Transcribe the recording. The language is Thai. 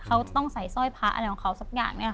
เขาจะต้องใส่สร้อยพระอะไรของเขาสักอย่างเนี่ยค่ะ